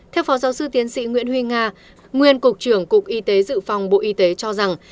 theo phó giáo sư tiến sĩ nguyễn huy nga nguyên cục trưởng cục y tế dự phòng bộ y tế cho rằng